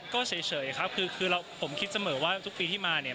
ก็เฉยครับคือผมคิดเสมอว่าทุกปีที่มาเนี่ย